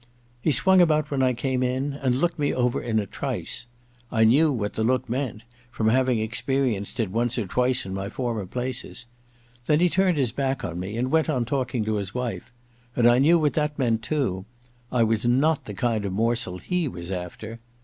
He swung about when I came in, and looked me over in a trice. I knew what the look meant, from having experienced it once or twice in my former places. Then he turned his back on me, and went on talking to his wife ; and I knew what that meant, too. I was not the kind of morsel he was after.